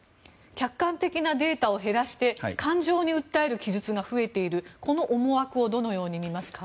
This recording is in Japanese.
客観的なデータを減らして感情に訴える記述が増えているこの思惑をどのように見ますか？